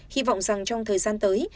hy vọng rằng trong thời gian tới